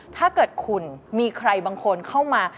ถ้าเกิดคุณมีใครบางคนเข้ามา